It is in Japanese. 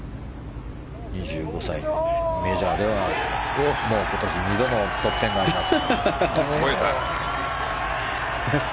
２５歳、メジャーでは今年２度のトップ１０がありますが。